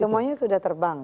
semuanya sudah terbang